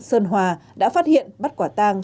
sơn hòa đã phát hiện bắt quả tàng